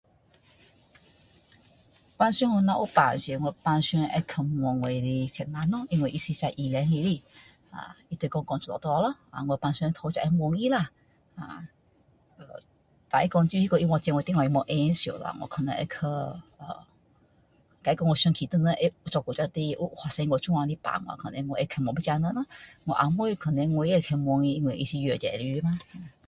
平时我若有病是平时我会去问我的先生咯因为他是一个医生来的啊他就会教我怎么做咯我平时头一个就会问他啦胆他会说除非他没有空时咯我可能会去会想起以前谁有发生过我这样的病可能我会去问这样的人咯我啊妹可能我也会去问她因为他是药剂师吗